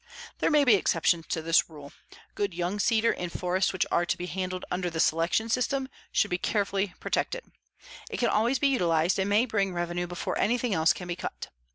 There may be exceptions to this rule. Good young cedar in forests which are to be handled under the selection system should be carefully protected. It can always be utilized and may bring revenue before anything else can be cut.